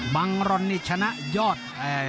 วังรนนี่ชนะยอดสุริยา